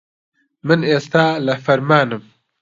من ئێستا لە فەرمانم.